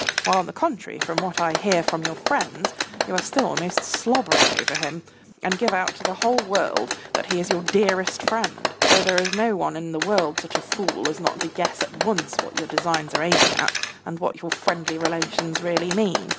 While on the contrary, from what I hear from your friends, you are still almost slobbering over him, and give out to the whole world that he is your dearest friend, though there is no one in the world such a fool as not to guess at once what your designs are aiming at and what your friendly relations really mean.